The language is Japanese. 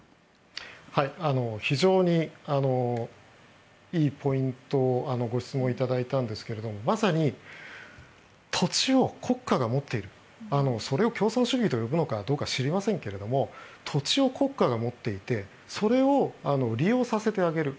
非常にいいポイントをご質問いただいたんですがまさに土地を国家が持っているそれを共産主義と呼ぶのかどうかは知りませんが土地を国家が持っていてそれを利用させてあげる。